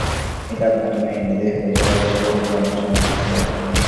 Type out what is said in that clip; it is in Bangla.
এটা আপনাকে মেনে নিতেই হবে, খেলোয়াড় হিসেবেও ওকে অনেক সম্মান করতে হবে।